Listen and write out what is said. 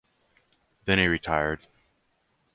Then he retired.